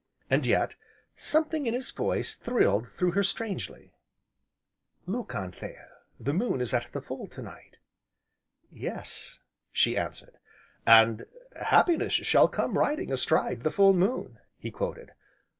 And yet, something in his voice thrilled through her strangely. "Look Anthea, the moon is at the full, to night." "Yes!" she answered. "And Happiness shall come riding astride the full moon!" he quoted.